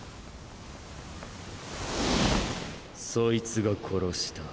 そいつが殺した。